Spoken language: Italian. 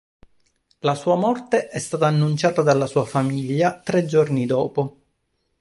La sua morte è stata annunciata dalla sua famiglia tre giorni dopo.